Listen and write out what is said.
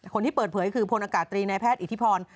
คนที่เปิดเผยคือพลอากาศตรีนายแพทย์อิทธิพร